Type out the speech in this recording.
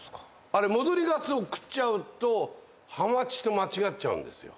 あれ戻りガツオを食っちゃうとハマチと間違っちゃうんですよ